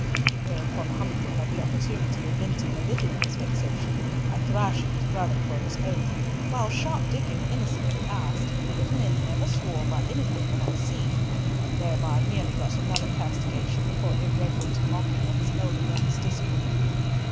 Whereupon Humfrey had the opportunity of venting a little of his vexation by thrashing his brother for his oath, while sharp Diccon innocently asked if men never swore by anything when at sea, and thereby nearly got another castigation for irreverent mocking of his elder brother's discipline.